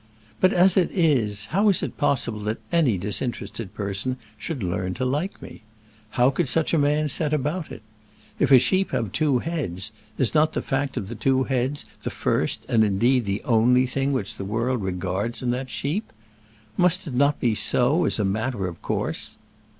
But, as it is, how is it possible that any disinterested person should learn to like me? How could such a man set about it? If a sheep have two heads, is not the fact of the two heads the first and, indeed, only thing which the world regards in that sheep? Must it not be so as a matter of course?